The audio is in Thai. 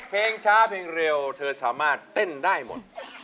เพลงช้าเพลงเร็วเธอสามารถเต้นได้หมด